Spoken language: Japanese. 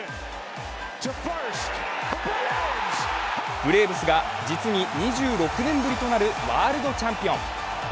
ブレーブスが実に２６年ぶりとなるワールドチャンピオン。